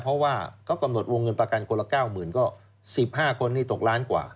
เพราะว่าเขากำหนดวงเงินประกันคนละ๙๐๐ก็๑๕คนนี่ตกล้านกว่า